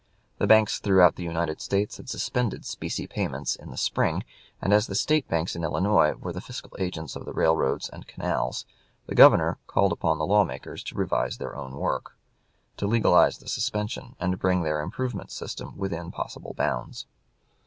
The banks throughout the United States had suspended specie payments in the spring, and as the State banks in Illinois were the fiscal agents of the railroads and canals, the Governor called upon the law makers to revise their own work, to legalize the suspension, and bring their improvement system within possible bounds.